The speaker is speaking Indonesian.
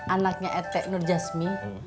anaknya etek nur jasmi